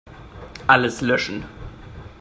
Alles löschen.